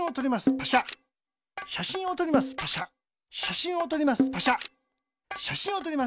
しゃしんをとります。